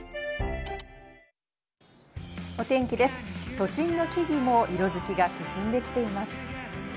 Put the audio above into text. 都心の木々も色づきが進んできています。